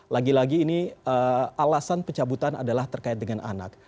lagi lagi ini alasan pencabutan adalah terkait dengan anak